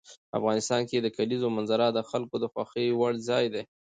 افغانستان کې د کلیزو منظره د خلکو د خوښې وړ ځای دی.